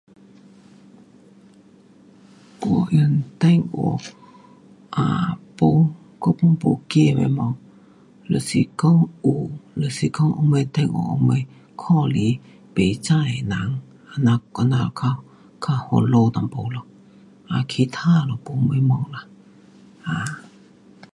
没用电话。um 没，我 pun 没记那些东西，若是讲有若是讲有什电话有什么打来不知的人，这样我，我们较烦恼一点啦。其他就没什么啦。啊。